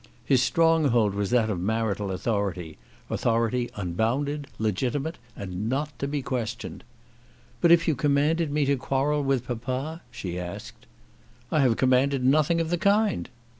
His stronghold was that of marital authority, authority unbounded, legitimate, and not to be questioned. "But if you commanded me to quarrel with papa?" she asked. "I have commanded nothing of the kind."